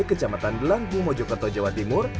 kecamatan belanggu mojokerto jawa timur